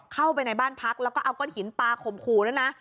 เข้าไปในบ้านพักแล้วก็เอาก้อนหินปลาข่มขู่ด้วยนะ